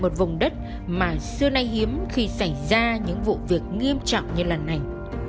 một vùng đất mà xưa nay hiếm khi xảy ra những vụ việc nghiêm trọng như lần này